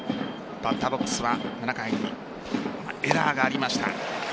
バッターボックスは７回エラーがありました。